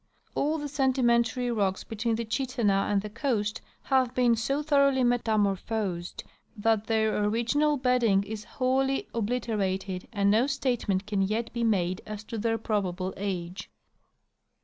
All the sedimentary rocks between the Chittenah and the coast have been so thor oughly metamorphosed that their original bedding is wholly obliterated, and no statement can yet be made as to their prob able age.